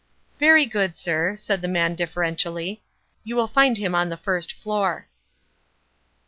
"Very good, sir," said the man deferentially. "You will find him on the first floor."